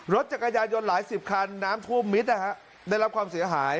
รถจักรยานยนต์หลายสิบคันน้ำท่วมมิตรนะฮะได้รับความเสียหาย